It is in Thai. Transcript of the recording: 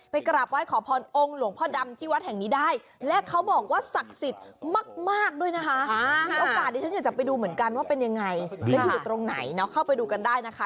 ยังไงพี่อยู่ตรงไหนเราเข้าไปดูกันได้นะคะ